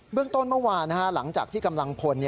เรื่องต้นเมื่อวานหลังจากที่กำลังพล